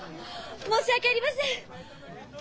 申し訳ありません！